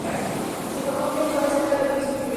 Se informó que estaba cerca de unirse a Juventus.